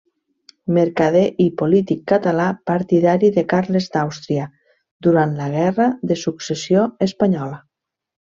Mercader i polític català partidari de Carles d'Àustria durant la Guerra de Successió Espanyola.